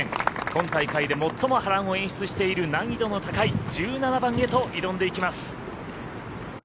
今大会で最も波乱を演出している難易度の高い１７番へと挑んでいきます。